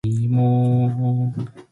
Yas̃h kũk̃htẽ ẽnsiz gok̃ht.